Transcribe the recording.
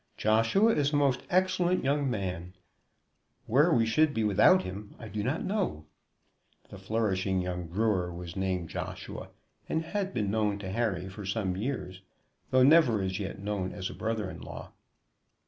"Joshua is a most excellent young man. Where we should be without him I do not know." The flourishing young brewer was named Joshua, and had been known to Harry for some years, though never as yet known as a brother in law.